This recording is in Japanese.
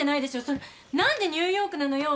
それに何でニューヨークなのよ？